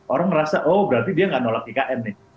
orang ngerasa oh berarti dia nggak nolak ikn nih